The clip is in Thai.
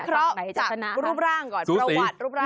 เพราะจากรูปร่างก่อนประวัติรูปร่าง